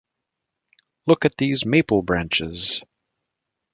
Look at these maple branches.